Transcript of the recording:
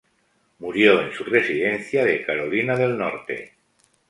Murió en su residencia de Carolina del Norte.